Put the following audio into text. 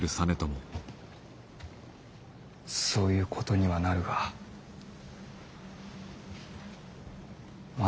そういうことにはなるがまだ先の話だ。